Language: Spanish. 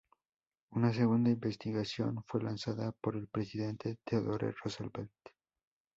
Una segunda investigación fue lanzada por el presidente Theodore Roosevelt.